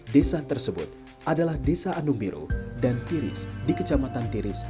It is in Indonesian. desa tersebut adalah desa anumbiro dan tiris di kecamatan tiris